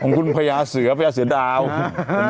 ของคุณพระยาเสือเจ้าเจ้าเห็นไหมนะ